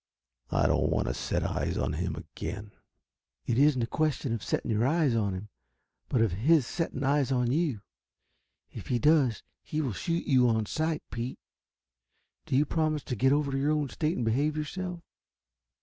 "I don't want to set eyes on him again." "It isn't a question of your setting eyes on him, but of his setting eyes on you. If he does, he will shoot you on sight, Pete. Do you promise to get over to your own state and behave yourself?"